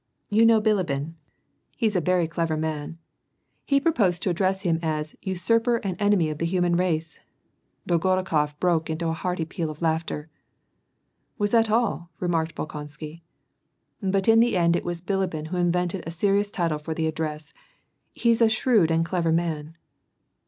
" You know Bilibin — he's WAR AND PEACE. g05 a very clever man — he proposed to address him as 'Usurper and Enemy of the Human Race/ " Dolgorukof broke into a hearty peal of laughter. <' Was that all ?" remarked Bolkonsky. '^ But in the end it was Bilibin who invented a serious title for the address. He's a shrewd and clever man